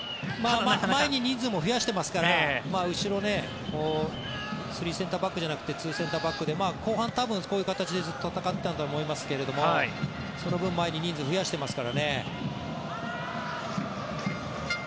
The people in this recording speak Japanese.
前に人数も増やしていますから後ろ３センターバックじゃなくて２センターバックで後半、多分こういう形で戦っていたんだと思いますがその分前に人数を増やしてますからね。